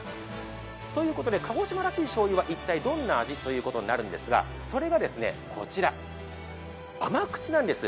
ということで鹿児島らしいしょうゆは一体どんな味？ということでそれがこちら、あまくちなんです。